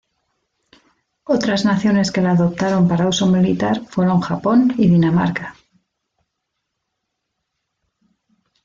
Otras naciones que la adoptaron para uso militar fueron Japón y Dinamarca.